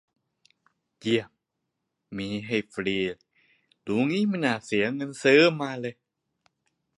กรี๊ด มี ให้ฟรี รู้งี้ไม่น่าเสียเงินซื้อขึ้นมาเลย